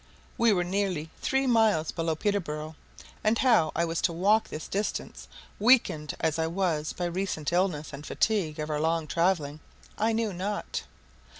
We were nearly three miles below Peterborough, and how I was to walk this distance, weakened as I was by recent illness and fatigue of our long travelling, I knew not.